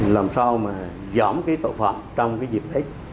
làm sao mà dõm cái tội phạm trong cái dịp tích nguyên đám cấp đấy